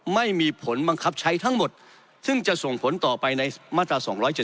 ไม่มีผลบังคับใช้ทั้งหมดซึ่งจะส่งผลต่อไปในมาตรา๒๗๒